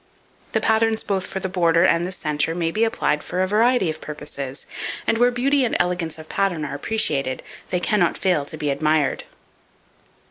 The patterns both for the border and the centre may be applied for a variety of purposes, and where beauty and elegance of pattern are appreciated, they cannot fail to be admired.